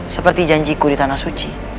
seperti janjiku di tanah suci